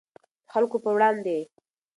د خلکو په وړاندې.